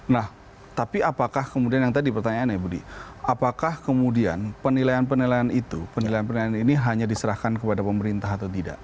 nah tapi apakah kemudian yang tadi pertanyaannya budi apakah kemudian penilaian penilaian itu penilaian penilaian ini hanya diserahkan kepada pemerintah atau tidak